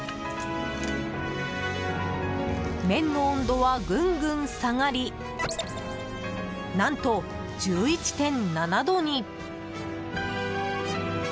麺の温度はぐんぐん下がり何と１１．７度に。